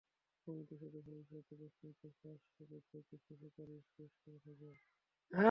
Committee শুধু ভবিষ্যতে প্রশ্নপত্র ফাঁস রোধকল্পে কিছু সুপারিশ পেশ করে থাকে।